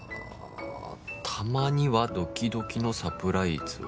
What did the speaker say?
「たまにはドキドキのサプライズを」